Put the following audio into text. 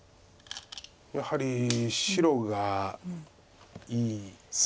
やはり白がいいです。